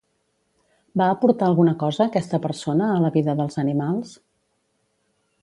Va aportar alguna cosa, aquesta persona, a la vida dels animals?